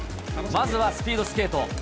まずはスピードスケート。